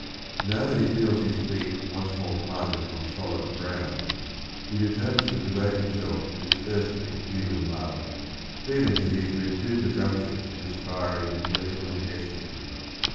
Now that he feels his feet once more planted on solid ground he determines to devote himself to this earthly, human love, feeling that he has been too presumptuous in aspiring to a heavenly destiny.